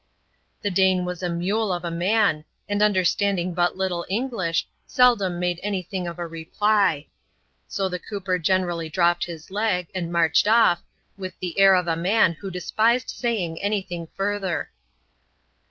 The Dane was a mule of a man, and understanding but little English, seldom made any thing of a reply; so the cooper generally dropped his leg, and marched ofl*, with the air of a Qaa who despised saying any thing further.